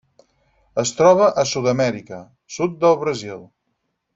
Es troba a Sud-amèrica: sud del Brasil.